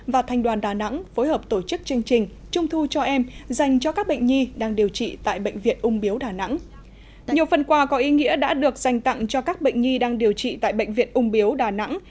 các cơ sở sẽ phạt nặng cho các bệnh nhi đang điều trị tại bệnh viện úng biếu đà nẵng